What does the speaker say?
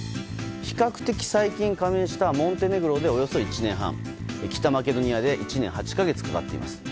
比較的最近加盟したモンテネグロでおよそ１年半で、北マケドニアで１年８か月かかっています。